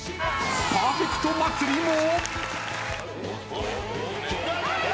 パーフェクト祭りも。